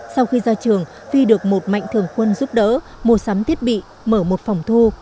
sau khi ra trường phi được một mạnh thường quân giúp đỡ mua sắm thiết bị mở một phòng thu